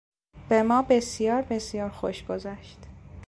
به ما بسیار بسیار خوش گذشت.